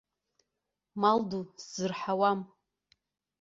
Мал ду сзырҳауам.